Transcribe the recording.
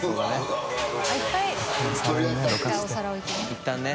いったんね。